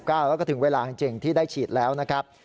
แล้วก็ถึงเวลาจริงที่ได้ฉีดแล้วนะครับ